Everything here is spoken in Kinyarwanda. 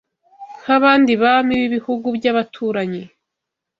nk’abandi Bami b’ibihugu by’abaturanyi